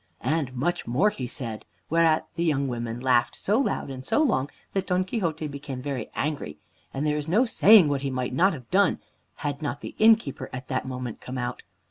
And much more he said, whereat the young women laughed so loud and so long that Don Quixote became very angry, and there is no saying what he might not have done had not the innkeeper at that moment come out.